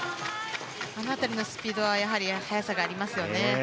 あの辺りのスピードは速さがありますね。